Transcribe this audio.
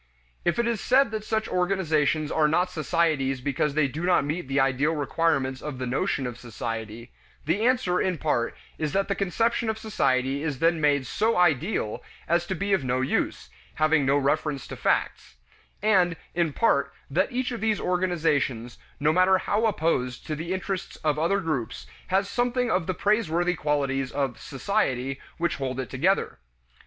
If it is said that such organizations are not societies because they do not meet the ideal requirements of the notion of society, the answer, in part, is that the conception of society is then made so "ideal" as to be of no use, having no reference to facts; and in part, that each of these organizations, no matter how opposed to the interests of other groups, has something of the praiseworthy qualities of "Society" which hold it together.